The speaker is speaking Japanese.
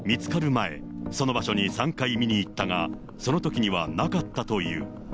前、その場所に３回見に行ったが、そのときにはなかったという。